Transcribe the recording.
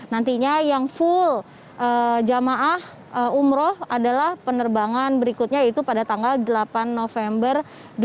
nantinya yang full jemaah umroh adalah penerbangan berikutnya yaitu pada tanggal delapan november dua ribu dua puluh